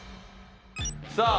さあ